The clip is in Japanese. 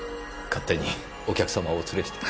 勝手にお客様をお連れして。